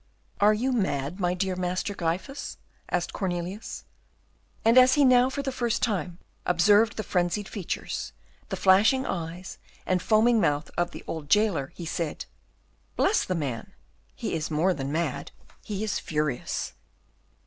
"Are you mad, my dear Master Gryphus?" asked Cornelius. And, as he now for the first time observed the frenzied features, the flashing eyes, and foaming mouth of the old jailer, he said, "Bless the man, he is more than mad, he is furious."